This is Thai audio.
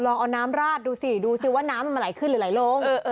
เอาน้ำราดดูสิดูสิว่าน้ำมันไหลขึ้นหรือไหลลง